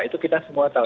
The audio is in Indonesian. itu kita semua tahu